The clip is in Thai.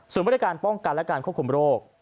ส่วนมาตรการป้องกันและการควบคุมโรค